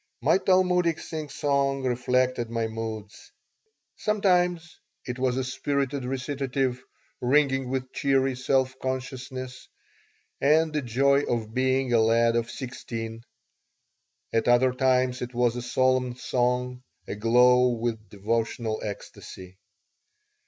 My Talmudic singsong reflected my moods. Sometimes it was a spirited recitative, ringing with cheery self consciousness and the joy of being a lad of sixteen; at other times it was a solemn song, aglow with devotional ecstasy.